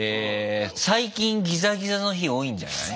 最近ギザギザの日多いんじゃない？